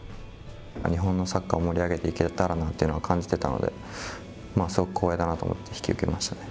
日本のサッカーを盛り上げていけたらなというのは感じてたので、すごく光栄だなと思って、引き受けましたね。